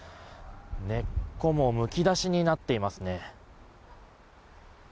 根っこもむき出しになっていますね。